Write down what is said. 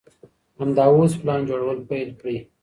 همدا اوس پلان جوړول پيل کړئ.